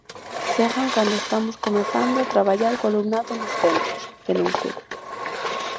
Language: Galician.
Chegan cando estamos comezando a traballar co alumnado nos centros, denuncia.